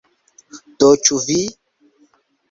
Do, ĉu vi?